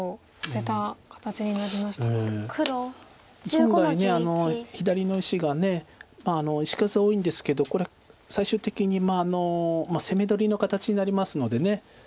将来あの左の石が石数は多いんですけどこれ最終的に攻め取りの形になりますので。